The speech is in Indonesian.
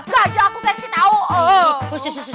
gajah aku seksi tau